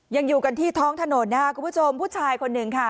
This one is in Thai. ยังอยู่กันที่ท้องถนนนะครับคุณผู้ชมผู้ชายคนหนึ่งค่ะ